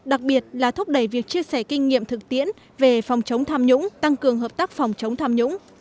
đặc biệt là thúc đẩy việc chia sẻ kinh nghiệm thực tiễn về phòng chống tham nhũng tăng cường hợp tác phòng chống tham nhũng